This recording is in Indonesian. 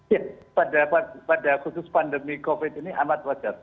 ya pada khusus pandemi covid ini amat wajar